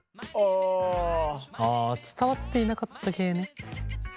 あ伝わっていなかった系ね。